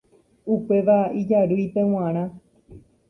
Upéva ijarýipe g̃uarã.